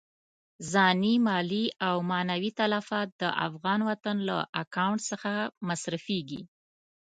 ځاني، مالي او معنوي تلفات د افغان وطن له اکاونټ څخه مصرفېږي.